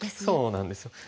そうなんです。